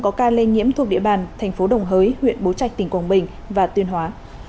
có ca lây nhiễm thuộc địa bàn thành phố đồng hới huyện bố trạch tỉnh quảng bình và tuyên hóa